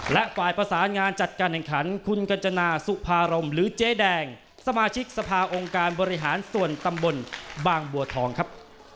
และฝ่ายประสานงานจัดการแห่งขันคุณกัญจนาสุภารมหรือเจ๊แดงสมาชิกสภาองค์การบริหารส่วนตำบลบางบัวทองครับ